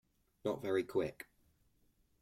Not very Quick.